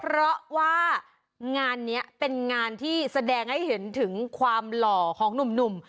เพราะว่างานนี้เป็นงานที่แสดงให้เห็นถึงความหล่อของหนุ่ม